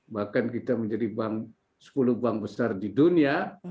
bahkan kita menjadi sepuluh bank besar di dunia